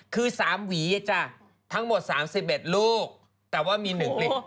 คือ๓หวีจ้ะทั้งหมด๓๑ลูกแต่ว่ามี๑ลิตร